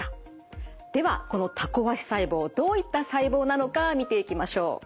ではこのタコ足細胞どういった細胞なのか見ていきましょう。